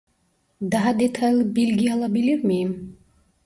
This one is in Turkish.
Daha detaylı bilgi alabilir miyim